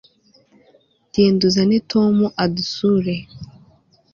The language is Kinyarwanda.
genda uzane tom adusure